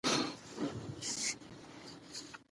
ښځه د مانا پنځګره فاعله سرلې ده نه